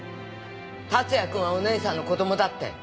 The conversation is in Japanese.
達也君はお姉さんの子供だって。